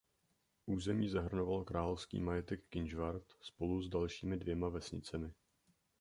Území zahrnovalo královský majetek Kynžvart spolu s dalšími dvěma vesnicemi.